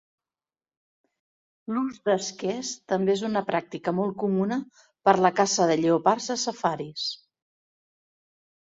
L'ús d'esquers també és una pràctica molt comuna per la caça de lleopards a safaris.